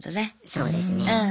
そうですね。